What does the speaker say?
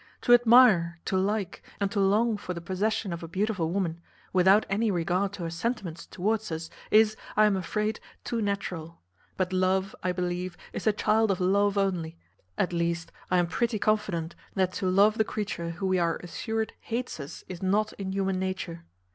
To admire, to like, and to long for the possession of a beautiful woman, without any regard to her sentiments towards us, is, I am afraid, too natural; but love, I believe, is the child of love only; at least, I am pretty confident that to love the creature who we are assured hates us is not in human nature.